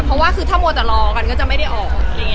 เพราะว่าถ้าคุณวังจะรอกันก็จะไม่ได้ออก